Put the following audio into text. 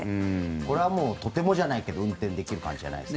これはもうとてもじゃないけど運転できる感じじゃないです。